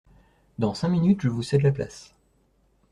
Dans cinq minutes je vous cède la place.